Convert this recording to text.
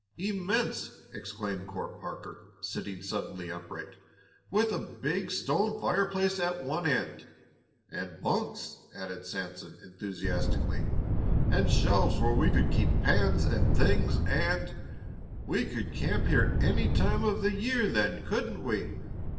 "Immense!" exclaimed Court Parker, sitting suddenly upright. "With a big stone fireplace at one end." "And bunks!" added Sanson, enthusiastically. "And shelves where we could keep pans and things. And " "We could camp here any time of the year then, couldn't we?"